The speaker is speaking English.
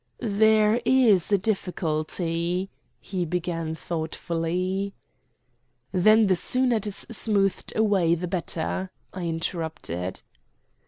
"There is a difficulty " he began thoughtfully. "Then the sooner it is smoothed away the better," I interrupted.